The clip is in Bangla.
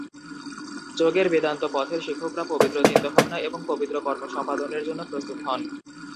যোগের বেদান্ত পথের শিক্ষকরা পবিত্র চিন্তাভাবনা এবং পবিত্র কর্ম সম্পাদনের জন্য প্রস্তুত হন।